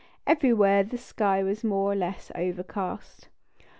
Everywhere the sky was more or less overcast.